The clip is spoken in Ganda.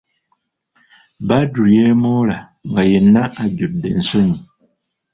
Badru yeemoola nga yenna ajjudde ensonyi.